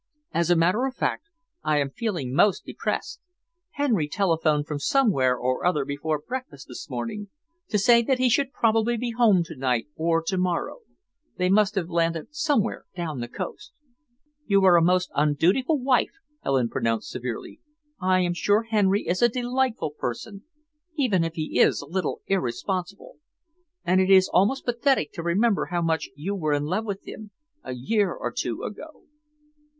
"As a matter of fact, I am feeling most depressed. Henry telephoned from somewhere or other before breakfast this morning, to say that he should probably be home to night or to morrow. They must have landed somewhere down the coast." "You are a most undutiful wife," Helen pronounced severely. "I am sure Henry is a delightful person, even if he is a little irresponsible, and it is almost pathetic to remember how much you were in love with him, a year or two ago."